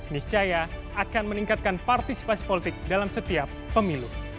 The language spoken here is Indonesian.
niscaya akan meningkatkan partisipasi politik dalam setiap pemilu